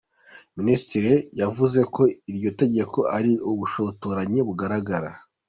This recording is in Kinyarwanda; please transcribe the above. Minisiteri yavuze ko iryo tegeko ari ubushotoranyi bugaragara.